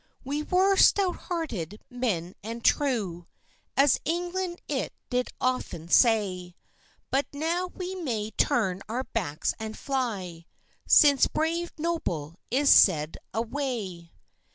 We were stout hearted men and true, As England it did often say; But now we may turn our backs and fly, Since brave Noble is seld away.